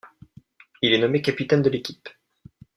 Il est nommé capitaine de l'équipe.